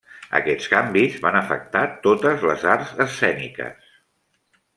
Aquests canvis van afectar totes les arts escèniques.